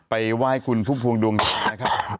ไปไหว้คุณพุ่มพวงดวงจันทร์นะครับ